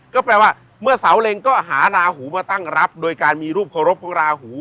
ก็แปลว่าเมื่อเสาเล็งก็หาลาหูมาตั้งรับโดยการมีรูปเคารพของราหู